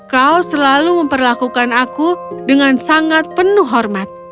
kau selalu memperlakukan aku dengan sangat penuh hormat